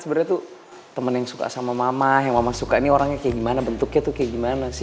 sebenarnya tuh temen yang suka sama mama yang mama suka ini orangnya kayak gimana bentuknya tuh kayak gimana sih